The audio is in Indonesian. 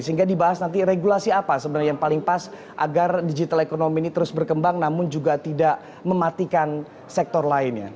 sehingga dibahas nanti regulasi apa sebenarnya yang paling pas agar digital ekonomi ini terus berkembang namun juga tidak mematikan sektor lainnya